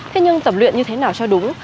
thế nhưng tập luyện như thế nào cho đúng